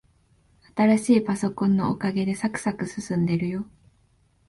新しいパソコンのおかげで、さくさく進んでるよ。